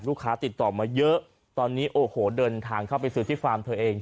ลูกค้าติดต่อมาเยอะตอนนี้โอ้โหเดินทางเข้าไปซื้อที่ฟาร์มเธอเอง